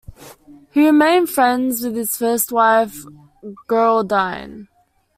He remained friends with his first wife, Geraldine.